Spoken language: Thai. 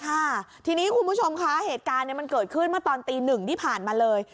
ค่ะทีนี้คุณผู้ชมคะเหตุการณ์เนี่ยมันเกิดขึ้นเมื่อตอนตีหนึ่งที่ผ่านมาเลย